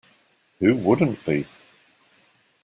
Who wouldn't be?